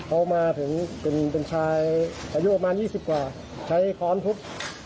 เขามาถึงเป็นชายอายุประมาณ๒๐กว่าใช้ค้อนทุบ